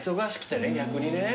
逆にね。